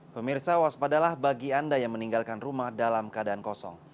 pemirsa waspadalah bagi anda yang meninggalkan rumah dalam keadaan kosong